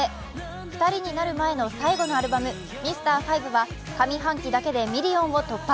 ２人になる前の最後のアルバム、「Ｍｒ．５」は上半期だけでミリオンを突破。